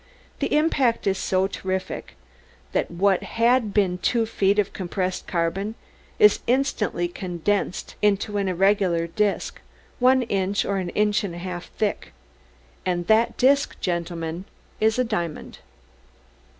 The impact is so terrific that what had been two feet of compressed carbon is instantly condensed into an irregular disk, one inch or an inch and a half thick. _And that disk, gentlemen, is a diamond!